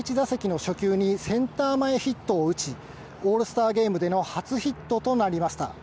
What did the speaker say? １回の第１打席の初球にセンター前ヒットを打ち、オールスターゲームでの初ヒットとなりました。